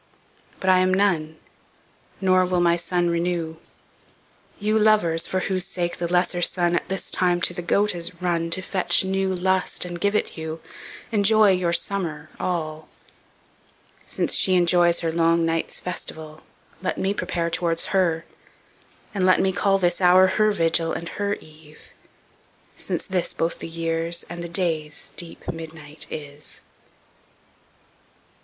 But I am None; nor will my Sunne renew. You lovers, for whose sake, the lesser Sunne At this time to the Goat is runne To fetch new lust, and give it you, Enjoy your summer all; Since shee enjoyes her long nights festivall, Let mee prepare towards her, and let mee call This houre her Vigill, and her Eve, since this Bothe the yeares, and the dayes deep midnight is.